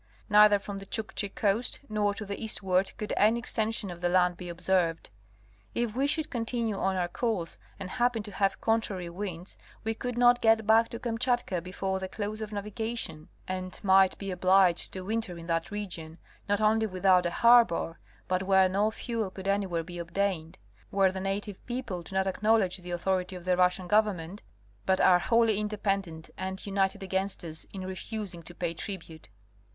Neither from the Chukchi coast nor to the eastward could any extension of the land be observed. If we should continue on our course and happen to have contrary winds we could not get back to Kamchatka before the close of navigation and might be 142 National Geographic Magazine. obliged to winter in that region, not only without a harbor, but where no fuel could anywhere be obtained, where the native peo ple do not acknowledge the authority of the Russian government, but are wholly independent and united against us in refusing to pay tribute.